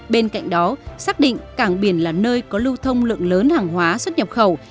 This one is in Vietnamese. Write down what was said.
bên cạnh đó xác định cảng biển là nơi có lưu thông lượng lớn hàng hóa xuất nhập khẩu